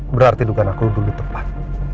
berarti dugaan aku dulu tepat